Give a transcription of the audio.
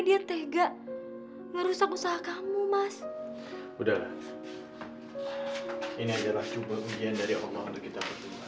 dia tega merusak usaha kamu mas udah ini adalah sebuah ujian dari allah untuk kita berdua